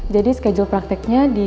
jadi schedule prakteknya di